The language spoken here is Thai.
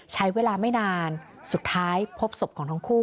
ใช้เวลาไม่นานสุดท้ายพบศพของทั้งคู่